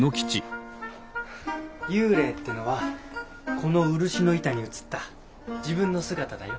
幽霊ってのはこの漆の板に映った自分の姿だよ。